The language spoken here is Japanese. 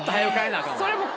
それもう。